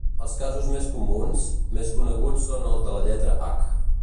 Els casos més comuns, més coneguts són els de la lletra 'h'.